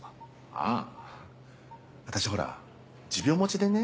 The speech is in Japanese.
あぁ私ほら持病持ちでね。